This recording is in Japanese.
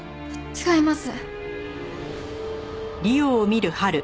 違います！